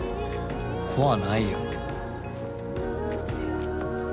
怖ないよ